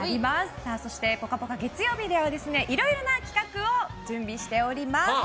そして「ぽかぽか」月曜日ではいろいろな企画を準備しております。